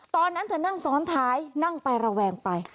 ตอนนั้นเธอนั่งซ้อนท้ายนั่งไประแวงไป